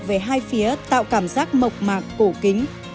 về hai phía tạo cảm giác mộc mạc cổ kính